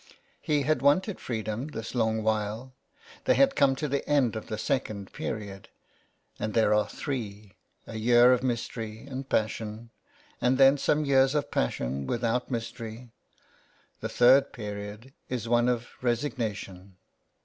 He had wanted freedom this long while. They had come to the end of the second period, and there are three — a year of mystery and passion, and then some years of passion without mystery. The third period is one of resignation.